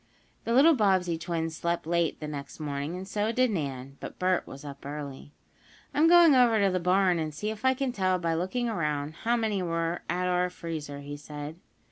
The little Bobbsey twins slept late the next morning, and so did Nan, but Bert was up early. "I'm going over to the barn, and see if I can tell by looking around it, how many were at our freezer," he said.